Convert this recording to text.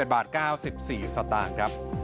๓๑บาท๙๔สตางค์